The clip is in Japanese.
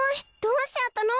どうしちゃったの？